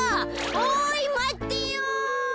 おいまってよ。